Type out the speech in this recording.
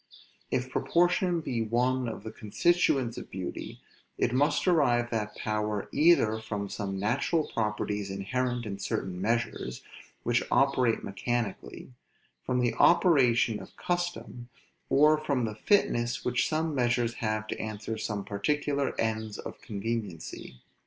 If proportion be one of the constituents of beauty, it must derive that power either from some natural properties inherent in certain measures, which operate mechanically; from the operation of custom; or from the fitness which some measures have to answer some particular ends of conveniency.